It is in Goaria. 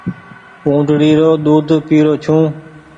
اُٽڙي رو ۮود پيرو ڇو۔